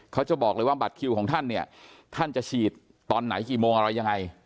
เขาจะบอกเลยว่าบัตรคิวของท่านเนี่ยท่านจะฉีดตอนไหนกี่โมงอะไรยังไง